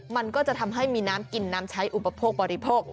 มันก็จะทำให้มีน้ำกินน้ำใช้อุปโภคบริโภค